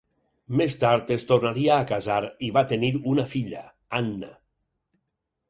Més tard es tornaria a casar i va tenir una filla, Anna.